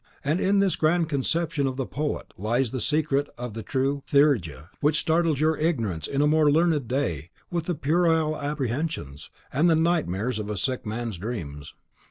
And in this grand conception of the poet lies the secret of the true Theurgia, which startles your ignorance in a more learned day with puerile apprehensions, and the nightmares of a sick man's dreams."